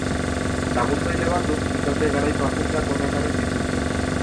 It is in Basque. Laguntzaile batzuk ikasle garaiko apunteak hona ekarri dituzte.